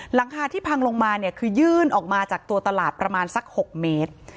หลังคาที่พังลงมาเนี่ยคือยื่นออกมาจากตัวตลาดประมาณสัก๖เมตร